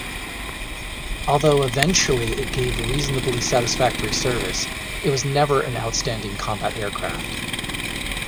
Although eventually it gave reasonably satisfactory service, it was never an outstanding combat aircraft.